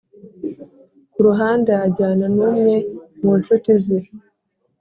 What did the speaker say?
kuruhande ajyana numwe munshuti ze